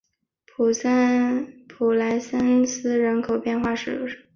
普莱桑斯人口变化图示